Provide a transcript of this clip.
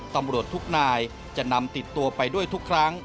ตำรวจทุกนายจะนำติดตัวไปด้วยทุกครั้ง